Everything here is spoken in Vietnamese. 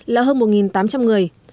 là hơn một tám trăm linh người